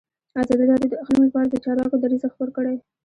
ازادي راډیو د اقلیم لپاره د چارواکو دریځ خپور کړی.